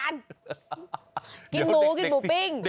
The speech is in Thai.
กินหมูกินหมูปิ้ง